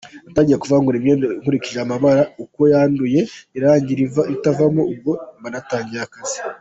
Natangiye kuvangura imyenda nkurikije amabara; uko yanduye; ivamo irangi niritavamo, ubwo mba ntangiye akazi.